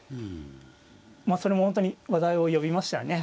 まあそれも本当に話題を呼びましたよね。